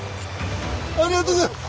ありがとうございます。